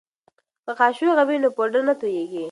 که قاشغه وي نو پوډر نه توییږي.